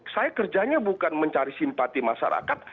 saya kerjanya bukan mencari simpati masyarakat